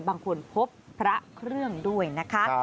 บางคนพบพระเครื่องด้วยนะคะ